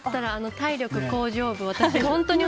体力向上部に。